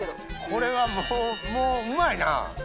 これはもううまいな。